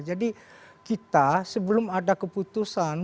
jadi kita sebelum ada keputusan